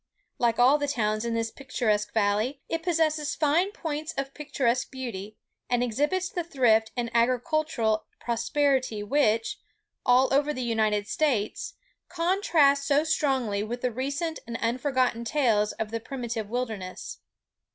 Like all the towns in this picturesque valley, it possesses fine points of picturesque beauty, and exhibits the thrift and agricultural prosperity which, all over the United States, contrast so strongly with the recent and unforgotten tales of the primitive wilderness.